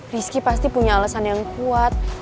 rizky pasti punya alasan yang kuat